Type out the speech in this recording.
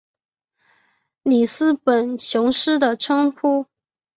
里斯本雄狮的称呼。